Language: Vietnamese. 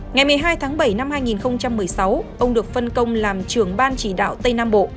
ngày một mươi hai tháng bảy năm hai nghìn một mươi sáu ông được phân công làm trưởng ban chỉ đạo tây nam bộ